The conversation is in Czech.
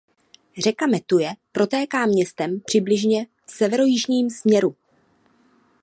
Řeka Metuje protéká městem přibližně v severojižním směru.